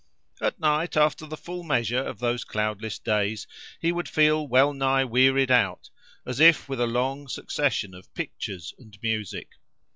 At night, after the full measure of those cloudless days, he would feel well nigh wearied out, as if with a long succession of pictures and music.